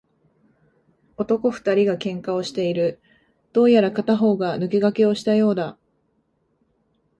男二人が喧嘩をしている。どうやら片方が抜け駆けをしたようだ。